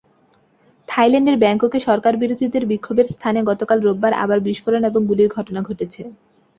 থাইল্যান্ডের ব্যাংককে সরকারবিরোধীদের বিক্ষোভের স্থানে গতকাল রোববার আবার বিস্ফোরণ এবং গুলির ঘটনা ঘটেছে।